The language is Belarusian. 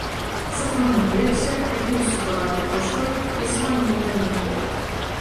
Сафрон адбегся, хапіў сукаваты пошвырак і смальнуў каню ў бок.